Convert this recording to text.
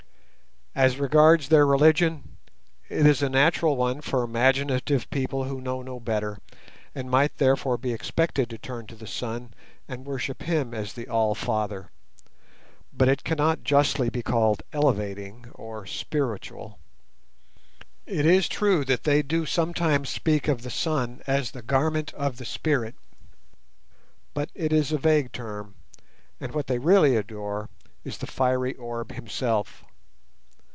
As regards their religion, it is a natural one for imaginative people who know no better, and might therefore be expected to turn to the sun and worship him as the all Father, but it cannot justly be called elevating or spiritual. It is true that they do sometimes speak of the sun as the "garment of the Spirit", but it is a vague term, and what they really adore is the fiery orb himself.